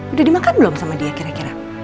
udah dimakan belum sama dia kira kira